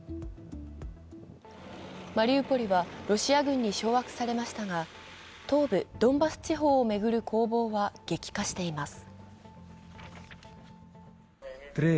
マリウポリはロシア軍に掌握されましたが、東部ドンバス地方を巡る攻防は激化しています。